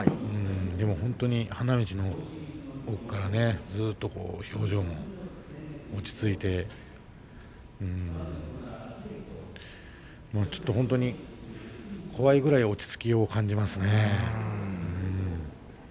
でも本当に花道の奥からずっと表情も落ち着いてもう、ちょっと本当に怖いぐらい落ち着きを感じますね。